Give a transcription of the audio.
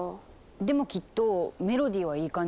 でもきっとメロディーはいい感じ。